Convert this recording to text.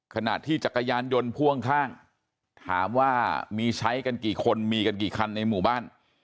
ขณะที่จักรยานยนต์พ่วงข้างถามว่ามีใช้กันกี่คนมีกันกี่คันในหมู่บ้าน